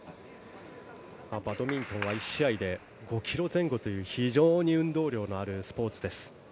バドミントンは１試合で５ｋｍ前後という非常に運動量のあるスポーツです。